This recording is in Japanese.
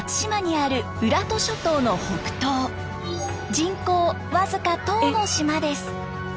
人口僅か１０の島です。